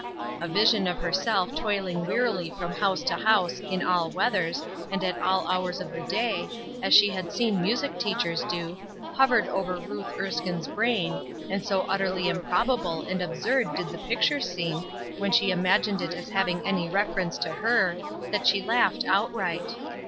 A vision of herself toiling wearily from house to house in all weathers, and at all hours of the day, as she had seen music teachers do, hovered over Ruth Erskine's brain, and so utterly improbable and absurd did the picture seem, when she imagined it as having any reference to her, that she laughed outright.